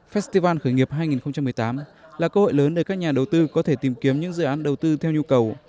festival khởi nghiệp hai nghìn một mươi tám là cơ hội lớn để các nhà đầu tư có thể tìm kiếm những dự án đầu tư theo nhu cầu